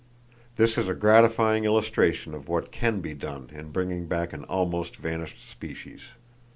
This is a gratifying illustration of what can be done in bringing back an almost vanished species.